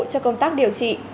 cho công tác điều trị